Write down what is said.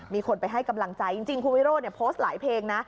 มีคนไปให้กำลังใจจริงคุณวิโรธโพสต์หลายเพลงนะ